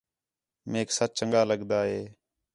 میک سچ چَنڳا لڳدا ہے